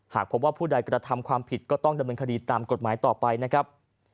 หากพบว่าผู้ใดกระทำความผิดก็ต้องดำเนินคดีตามกฎหมายต่อไปนะครับ